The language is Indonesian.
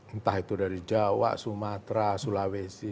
entah itu dari jawa sumatera sulawesi